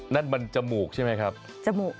นั่นมันจมูกใช่ไหมครับจมูก